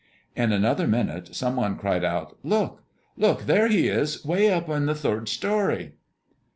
In another minute some one cried out, "Look, look! there he is, way up in the third story!"